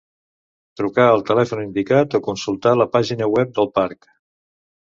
Trucar al telèfon indicat o consultar la pàgina web del parc.